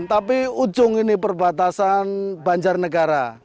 tapi ujung ini perbatasan banjarnegara